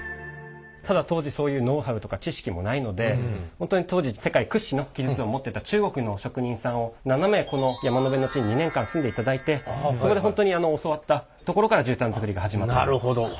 ただ当時そういうノウハウとか知識もないので本当に当時世界屈指の技術を持ってた中国の職人さんを７名この山辺の地に２年間住んでいただいてそこで本当に教わったところから絨毯づくりが始まった。